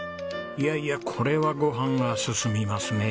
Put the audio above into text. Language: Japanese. いやいやこれはご飯が進みますね。